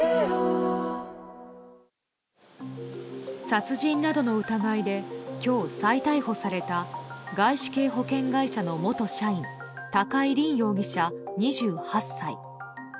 殺人などの疑いで今日、再逮捕された外資系保険会社の元社員高井凜容疑者、２８歳。